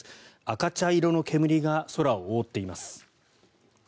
赤茶色の煙が空を覆っています。